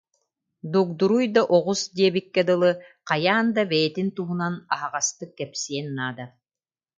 Дугдуруй да оҕус диэбиккэ дылы, хайаан да бэйэтин туһунан аһаҕастык кэпсиэн наада